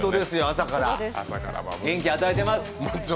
朝から元気、与えてます。